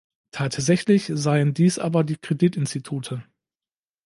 Tatsächlich seien dies aber die Kreditinstitute.